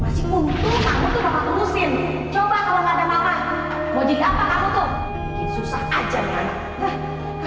masih mumpung kamu tuh bakal musim coba kalau ada mama mau jadi apa kamu tuh susah aja kan